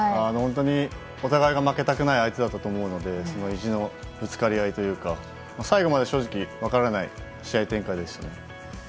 本当にお互いが負けたくない相手だったと思うのでその意地のぶつかり合いというか最後まで正直分からない試合展開でしたけど。